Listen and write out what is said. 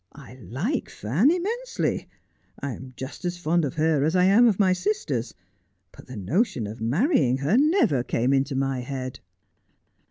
' I like Fan immensely. I am just as fond of her as I am of my sisters, but the notion of marrying her never came into my head.'